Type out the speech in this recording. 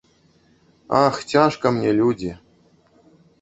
Ах, цяжка мне, людзі!